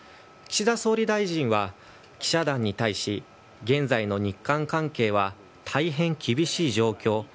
岸田総理大臣は記者団に対し現在の日韓関係は大変厳しい状況。